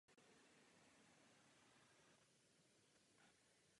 Jestliže žena neměla mužského zástupce mohli ji také zastupovat úředníci městské samosprávy.